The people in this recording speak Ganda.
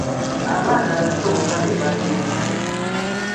Abaana abato bokka be baagemeddwa.